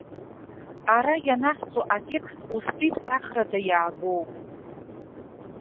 Ара ианаҳҵо атекст устәи ԥсахрада иаагоуп.